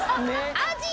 アジ。